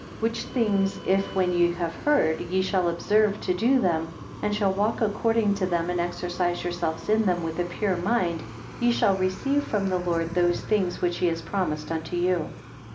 8 Which things if when you have heard, ye shall observe to do them, and shall walk according to them, and exercise yourselves in them with a pure mind, ye shall receive from the Lord those things which he has promised unto you.